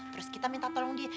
terus kita minta tolong di